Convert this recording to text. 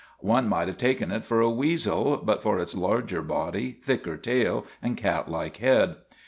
One might have taken it for a weasel, but for its larger body, thicker tail, and catlike head.